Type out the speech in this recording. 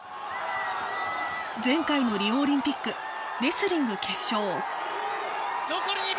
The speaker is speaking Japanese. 前回のリオオリンピックレスリング決勝残り２秒！